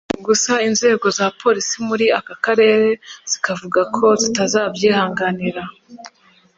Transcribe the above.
gusa inzego za polisi muri aka karere zikavuga ko zitazabyihanganira